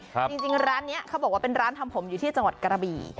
จริงร้านนี้เขาบอกว่าเป็นร้านทำผมอยู่ที่จังหวัดกระบี่